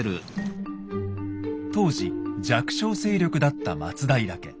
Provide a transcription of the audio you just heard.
当時弱小勢力だった松平家。